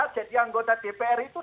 jadi anggota dpr itu